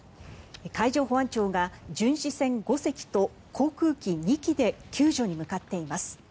海上保安庁が巡視船５隻と航空機２機で救助に向かっています。